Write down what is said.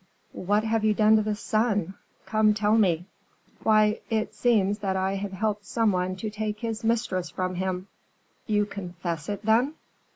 "What have you done to the son? Come, tell me." "Why, it seems that I have helped some one to take his mistress from him." "You confess it, then?"